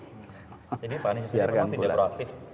jadi pak anies sendiri memang tidak proaktif